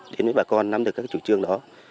đến với bà con nắm được các chủ trương đó